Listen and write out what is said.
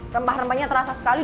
rempah rempahnya terasa sekali